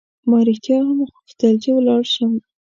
ما رښتیا هم غوښتل چې ولاړ شم.